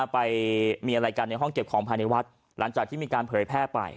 ไปมีอะไรกันในห้องเก็บของภายในวัดหลังจากที่มีการเผยแพร่ไป